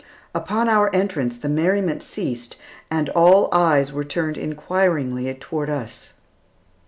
Upon our entrance, the merriment ceased and all eyes were turned inquiringly toward us.